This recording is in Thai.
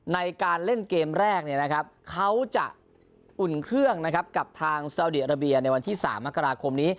ในการเล่นเกมแรกเนี่ยนะครับเขาจะอุ่นเครื่องนะครับกับทางซาวดีอาราเบียในวันที่๓มกราคมนี้